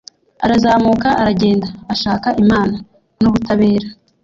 Arazamuka aragenda ashaka imana nubutabera